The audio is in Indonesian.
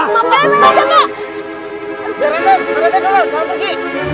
kamu berhenti kamu berhenti